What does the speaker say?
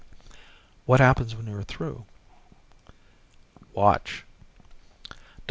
"What happens when you're through?" "Watch." Dr.